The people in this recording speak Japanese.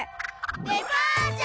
デパーチャー！